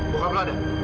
bokap lo ada